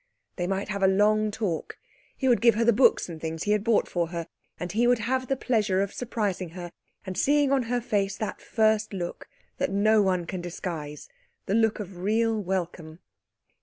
They might have a long talk; he would give her the books and things he had bought for her, and he would have the pleasure of surprising her and seeing on her face that first look that no one can disguise, the look of real welcome.